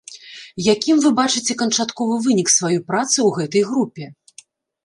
Якім вы бачыце канчатковы вынік сваёй працы ў гэтай групе?